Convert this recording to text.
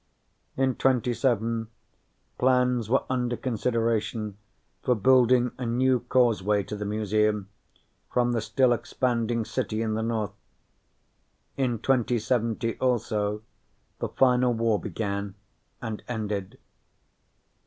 In 2070, plans were under consideration for building a new causeway to the Museum from the still expanding city in the north. In 2070, also, the final War began and ended.